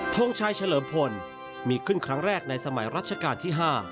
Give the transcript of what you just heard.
ทางแรกในสมัยรัชกาลที่๕